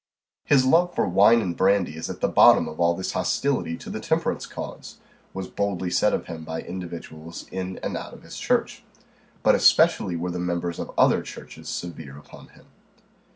"His love for wine and brandy is at the bottom of all this hostility to the temperance cause," was boldly said of him by individuals in and out of his church. But especially were the members of other churches severe upon him.